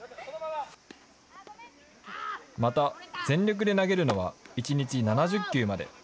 また、全力で投げるのは１日７０球まで。